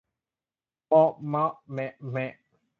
เมาะเมาะแมะแมะ